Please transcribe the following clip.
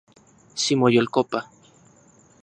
Ximoyolkopa